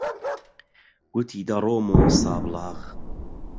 گوتی دەڕۆمەوە سابڵاغ.